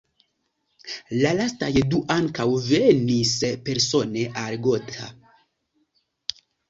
La lastaj du ankaŭ venis persone al Gotha.